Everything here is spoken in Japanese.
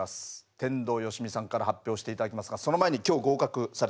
天童よしみさんから発表して頂きますがその前に今日合格された皆さん